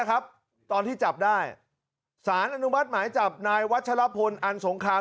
ตอนที่จับได้สารอนุมัติหมายจับนายวัชลพลอันสงคราม